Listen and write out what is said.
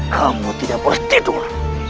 kamu tidak perlu tidur